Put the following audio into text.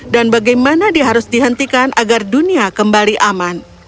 dan bagaimana dia harus dihentikan agar dunia kembali aman